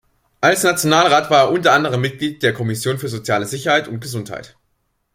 Als Nationalrat war er unter anderem Mitglied der Kommission für Soziale Sicherheit und Gesundheit.